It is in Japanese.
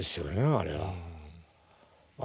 あれは。